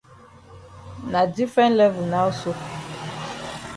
Na different level now so.